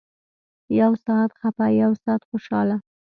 يو سات خپه يو سات خوشاله.